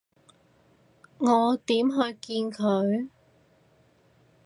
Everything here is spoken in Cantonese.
我點去見佢？